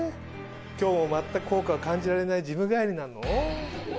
今日も全く効果が感じられないジム帰りなの？